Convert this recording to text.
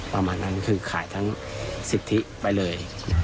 ประมาณนั้นคือขายทั้งสิทธิไปเลย